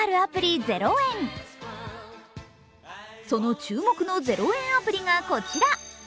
その注目の０円アプリがこちら。